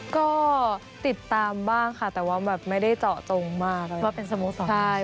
ก็ติดตามบ้างค่ะค่ะแต่แบบไม่ได้เจาะตรงมากเลย